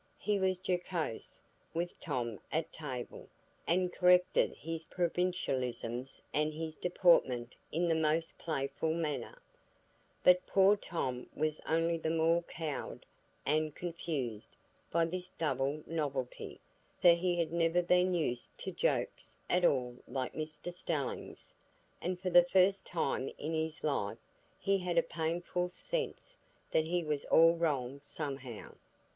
He was jocose with Tom at table, and corrected his provincialisms and his deportment in the most playful manner; but poor Tom was only the more cowed and confused by this double novelty, for he had never been used to jokes at all like Mr Stelling's; and for the first time in his life he had a painful sense that he was all wrong somehow.